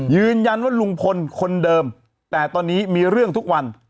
ยืนยันว่าลุงพลคนเดิมแต่ตอนนี้มีเรื่องทุกวัน